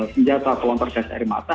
senjata keuang perdagangan air mata